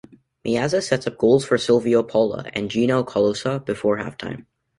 Meazza set up goals for Silvio Piola and Gino Colaussi before halftime.